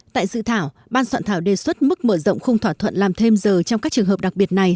tại dự thảo ban soạn thảo đề xuất mức mở rộng khung thỏa thuận làm thêm giờ trong các trường hợp đặc biệt này